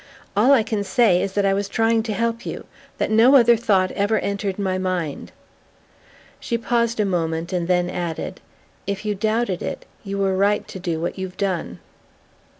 All I can say is that I was trying to help you: that no other thought ever entered my mind." She paused a moment and then added: "If you doubted it, you were right to do what you've done."